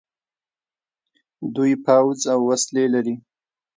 دوی پوځ او وسلې لري.